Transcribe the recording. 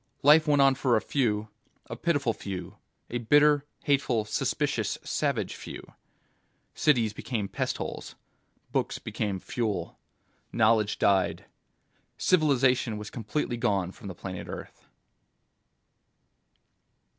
Life went on for a few, a pitiful few, a bitter, hateful, suspicious, savage few. Cities became pestholes. Books became fuel. Knowledge died. Civilization was completely gone from the planet Earth.